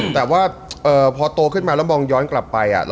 แต่ว่าพอโตขึ้นมาแล้วมองย้อนกลับไป